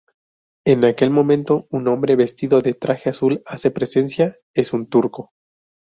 En aquel momento, un hombre vestido de traje azul hace presencia, es un Turco.